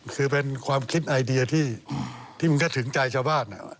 คือเป็นความคิดไอเดียที่มันก็ถึงใจชาวบ้าน